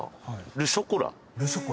ル・ショコラ？